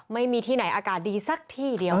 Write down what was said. ไม่มีที่ไหนอากาศดีสักที่เดียว